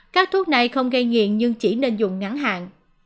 các thuốc này không gây nghiện nhưng chỉ nên dùng ngắn hạn